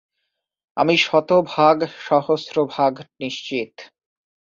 আমি শতভাগ, সহস্রভাগ নিশ্চিত!